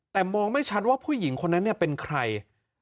แต่มองไม่ชัดว่าผู้หญิงคนนั้นเป็นใคร